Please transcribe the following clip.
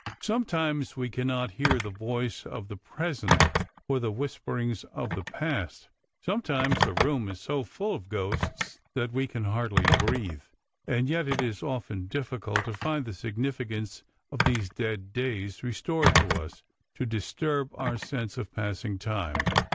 Sometimes we cannot hear the voice of the present for the whisperings of the past ; sometimes the room is so full of ghosts that we can hardly breathe. And yet it is often difficult to find the significance of these dead days, restored to us to disturb our sense of passing time.